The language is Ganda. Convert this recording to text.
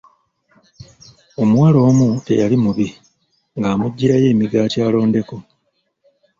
Omuwala omu teyali mubi ng'amuggyirayo migaati alondeko.